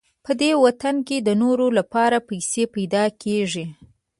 په دې وطن کې د نورو لپاره پیسې پیدا کېږي.